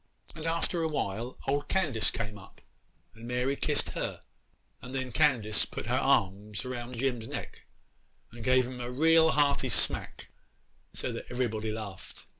'And, after a while, old Candace came up, and Mary kissed her; and then Candace put her arms round Jim's neck and gave him a real hearty smack, so that everybody laughed.